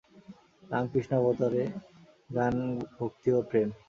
রামকৃষ্ণাবতারে জ্ঞান ভক্তি ও প্রেম।